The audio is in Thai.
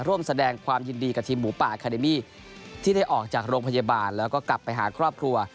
ร่วมแสดงความยินดีกับทีมหมูป่าอาคาเดมี่ที่ได้ออกจากโรงพยาบาลแล้วก็กลับไปหาครอบครัว